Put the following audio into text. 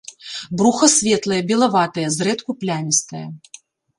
Бруха светлае, белаватае, зрэдку плямістае.